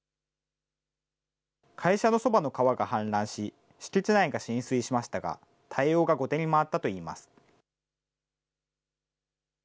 会社のそばの川が氾濫し、敷地内が浸水しましたが、対応が後手に回ったといいます。